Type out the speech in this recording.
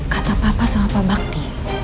kata papa sama pak bakti